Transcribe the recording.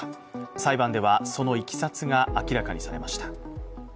裁判ではそのいきさつが明らかにされました。